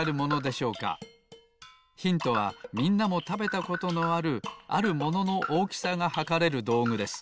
ヒントはみんなもたべたことのあるあるもののおおきさがはかれるどうぐです。